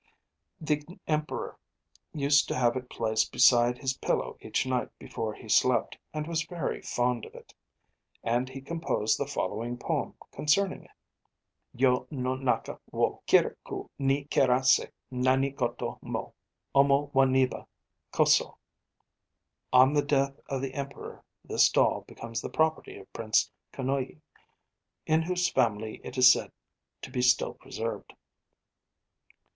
The Emperor used to have it placed beside his pillow each night before he slept, and was very fond of it. And he composed the following poem concerning it: Yo no naka wo Kiraku ni kurase Nani goto mo Omoeba omou Omowaneba koso. ' 'On the death of the Emperor this doll became the property of Prince Konoye, in whose family it is said to be still preserved.